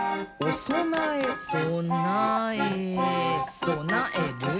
「そなえそなえる！」